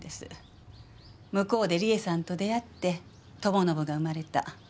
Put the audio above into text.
向こうで理恵さんと出会って友宣が生まれた。